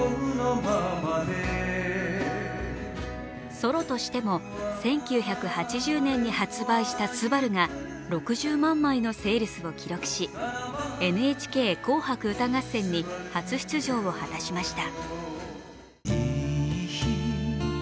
ソロとしても１９８０年に発売した「昂−すばる−」が６０万枚のセールスを記録し、「ＮＨＫ紅白歌合戦」に初出場を果たしました。